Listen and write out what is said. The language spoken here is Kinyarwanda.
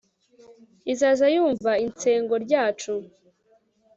izaza yumva insengo ryacu